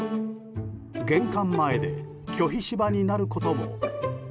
玄関前で拒否柴になることも。